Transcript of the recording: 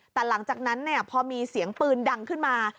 แต่หลังจากนั้นพอมีเสียงปืนดังขึ้นมา